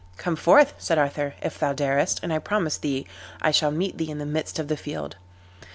"Come forth," said Arthur, "if thou darest, and I promise thee I shall meet thee in the midst of the field."